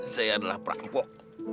saya adalah perampok